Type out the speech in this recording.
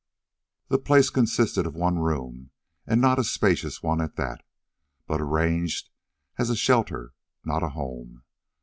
The place consisted of one room, and not a spacious one at that, but arranged as a shelter, not a home.